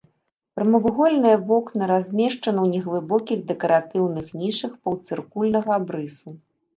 Прамавугольныя вокны размешчаны ў неглыбокіх дэкаратыўных нішах паўцыркульнага абрысу.